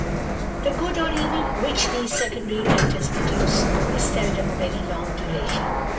The good or evil which these secondary writers produce is seldom of any long duration.